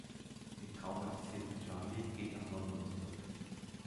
Die traumatisierte Charlie geht nach London zurück.